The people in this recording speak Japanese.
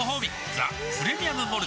「ザ・プレミアム・モルツ」